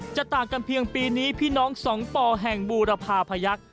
ต่างกันเพียงปีนี้พี่น้องสองป่อแห่งบูรพาพยักษ์